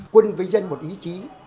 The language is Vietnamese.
quân với danh một ý chí